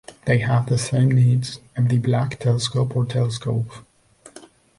They have the same needs as the black telescope or telescope.